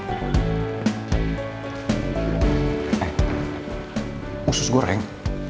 eh khusus goreng